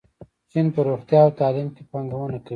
چین په روغتیا او تعلیم کې پانګونه کوي.